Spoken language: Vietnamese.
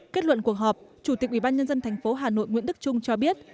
kết luận cuộc họp chủ tịch ủy ban nhân dân thành phố hà nội nguyễn đức trung cho biết